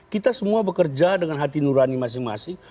kita semua bekerja dengan hati nurani masing masing